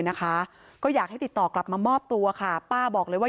นะคะก็อยากให้ติดต่อกลับมามอบตัวค่ะป้าบอกเลยว่า